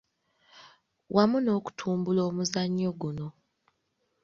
Wamu n’okutumbula omuzannyo guno.